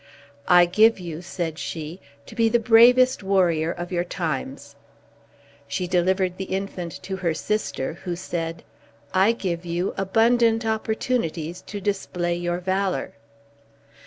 "I give you," said she, "to be the bravest warrior of your times." She delivered the infant to her sister, who said, "I give you abundant opportunities to display your valor."